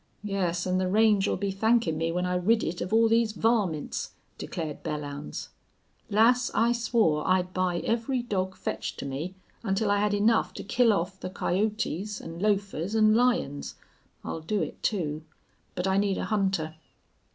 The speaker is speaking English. "Yes, an' the range'll be thankin' me when I rid it of all these varmints," declared Belllounds. "Lass, I swore I'd buy every dog fetched to me, until I had enough to kill off the coyotes an' lofers an' lions. I'll do it, too. But I need a hunter."